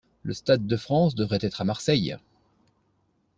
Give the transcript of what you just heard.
Le stade de France devrait être à Marseille.